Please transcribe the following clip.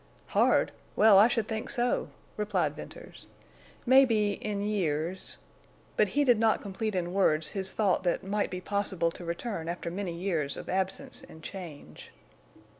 "Hard! Well, I should think so," replied Venters. "Maybe—in years—" But he did not complete in words his thought that might be possible to return after many years of absence and change.